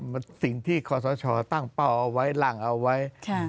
เป็นสิ่งที่คอสตชอตั้งเป้าออกไว้รั่งก็เอาไว้